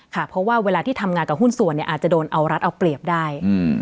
ค่ะเพราะว่าเวลาที่ทำงานกับหุ้นส่วนเนี่ยอาจจะโดนเอารัฐเอาเปรียบได้